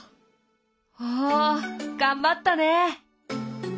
おお頑張ったね。